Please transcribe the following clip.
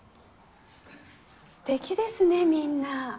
すてきですねみんな。